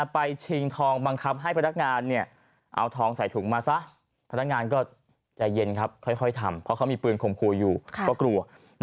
ชิงทองบังคับให้พนักงานเอาทองใส่ถุงมาซะพนักงานก็ใจเย็นครับค่อยทำเพราะเขามีปืนข่มขู่อยู่ก็กลัว